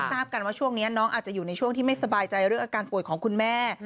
ทราบกันว่าช่วงนี้น้องอาจจะอยู่ในช่วงที่ไม่สบายใจเรื่องอาการป่วยของคุณแม่